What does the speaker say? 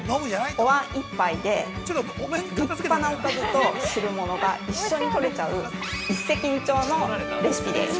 おわん１杯で立派なおかずと汁物が一緒にとれちゃう、一石二鳥のレシピです。